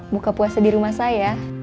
buka puasa di rumah saya